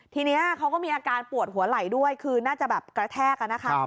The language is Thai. ทีนี้เขาก็มีอาการปวดหัวไหล่ด้วยคือน่าจะแบบกระแทกอะนะคะ